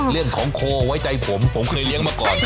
เรื่องของโคไว้ใจผมผมเคยเลี้ยงมาก่อน